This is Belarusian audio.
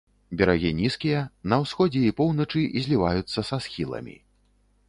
Берагі нізкія, на ўсходзе і поўначы зліваюцца са схіламі.